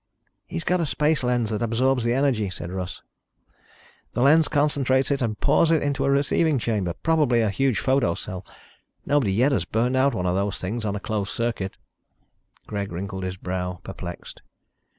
"He's got a space lens that absorbs the energy," said Russ. "The lens concentrates it and pours it into a receiving chamber, probably a huge photo cell. Nobody yet has burned out one of those things on a closed circuit." Greg wrinkled his brow, perplexed.